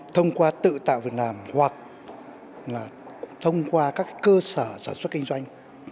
thông qua tự tạo việc làm hoặc là thông qua các cơ sở sản xuất kinh doanh